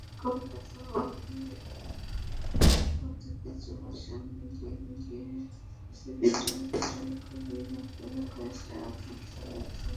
কবিতাপদ্ধতিচুলার সামনে গিয়ে বেছে বেছে বিদ্রোহী কবি নজরুলের কয়েকটা আগুন-গরম কবিতা পড়তে হবে।